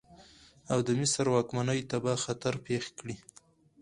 او د مصر واکمنۍ ته به خطر پېښ کړي.